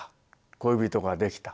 恋人ができた。